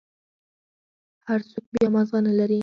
هر سوک بيا مازغه نلري.